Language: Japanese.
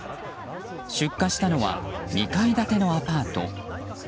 出火したのは２階建てのアパート。